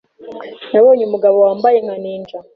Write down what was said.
Nabonye umugabo wambaye nka ninja.